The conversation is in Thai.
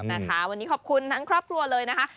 นะคะวันนี้ขอบคุณทั้งครอบครัวเลยนะคะ